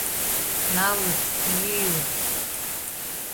Налыт, йӱыт.